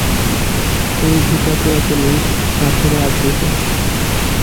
এই ভিটা পুরাতন ইট, পাথরে আবৃত।